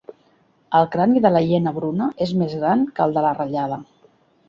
El crani de la hiena bruna és més gran que el de la ratllada.